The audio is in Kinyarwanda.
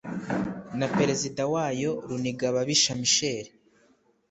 na perezida wayo runigababisha misheli